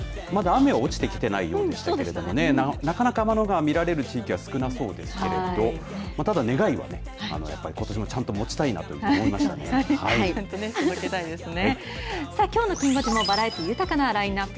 まだ雨は落ちてきていないようでしたけどなかなか天の川見れる地域は少なそうですけどただ、願いはやっぱりことしもちゃんと持ちたいなとちゃんと届けたいですね。